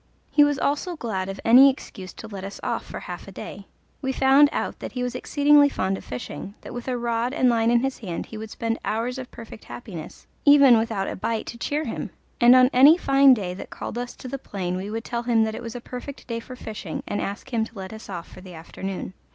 He was also glad of any excuse to let us off for half a day. We found out that he was exceedingly fond of fishing that with a rod and line in his hand he would spend hours of perfect happiness, even without a bite to cheer him, and on any fine day that called us to the plain we would tell him that it was a perfect day for fishing, and ask him to let us off for the afternoon.